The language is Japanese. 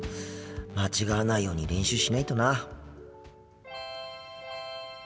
間違わないように練習しないとな。